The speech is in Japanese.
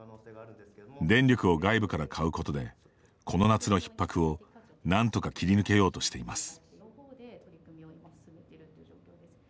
電力を外部から買うことでこの夏のひっ迫をなんとか切り抜けようとしています。